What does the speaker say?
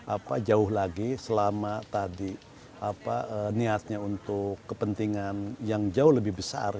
apa jauh lagi selama tadi apa niatnya untuk kepentingan yang jauh lebih besar